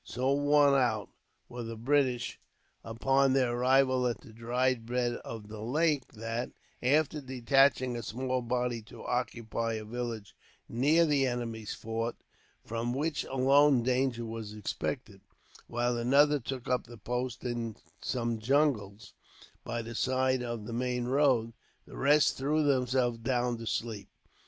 So worn out were the British upon their arrival at the dried bed of the lake that, after detaching a small body to occupy a village near the enemy's fort, from which alone danger was expected; while another took up the post in some jungles, by the side of the main road, the rest threw themselves down to sleep.